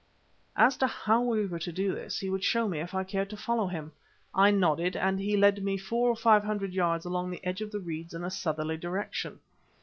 As to how we were to do this, he would show me if I cared to follow him. I nodded, and he led me four or five hundred yards along the edge of the reeds in a southerly direction.